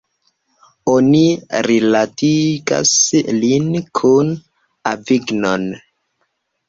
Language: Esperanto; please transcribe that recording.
Oni rilatigas lin kun Avignon.